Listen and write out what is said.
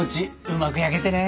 うまく焼けてね。